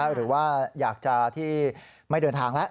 หรือว่าอยากจะที่ไม่เดินทางแล้ว